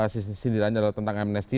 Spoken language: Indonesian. sisi diranya tentang amnesti